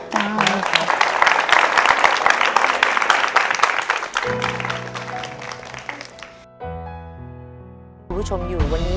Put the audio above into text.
ขอบคุณครับ